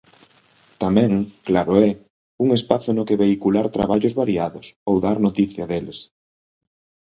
Tamén, claro é, un espazo no que vehicular traballos variados, ou dar noticia deles.